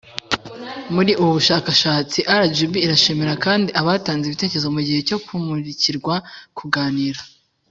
Muri ubu bushakashatsi rgb irashimira kandi abatanze ibitekerezo mu gihe cyo kumurikirwa kuganira